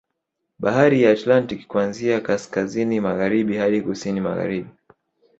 Bahari ya Atlantik kuanzia kaskazini magharibi hadi kusini magaharibi